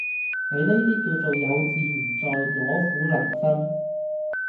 你呢啲叫做「有自唔在，攞苦嚟辛」